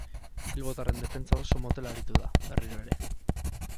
Bilbotarren defensa oso motel aritu da, berriro ere.